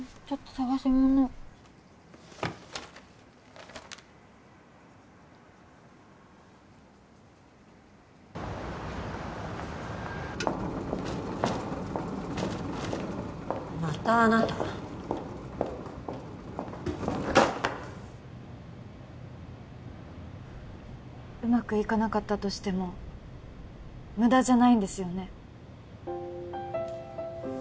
ちょっと探し物またあなたうまくいかなかったとしても無駄じゃないんですよね